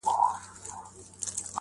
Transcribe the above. خو په خپل کتاب کې وايي